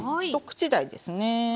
一口大ですね。